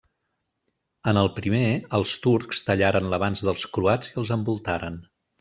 En el primer, els turcs tallaren l'avanç dels croats i els envoltaren.